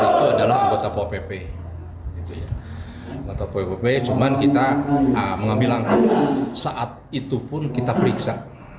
itu adalah anggota pol pp atau pp cuma kita mengambil langkah saat itu pun kita periksa